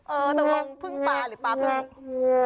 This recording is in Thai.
เออตรงพึ่งปลาหรือปลาพึ่ง